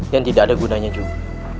dan tidak ada gunanya juga